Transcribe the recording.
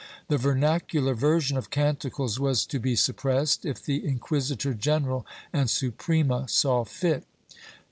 The vernacular version of Canticles was to be suppressed, if the inquisitor general and Suprema saw fit.